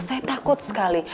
saya takut sekali